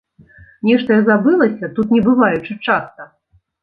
Нешта я забылася, тут не бываючы часта.